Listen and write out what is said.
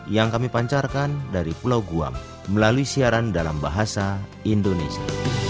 yang kami pancarkan dari pulau guam melalui siaran dalam bahasa indonesia